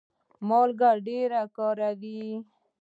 مالګه ډیره کاروئ؟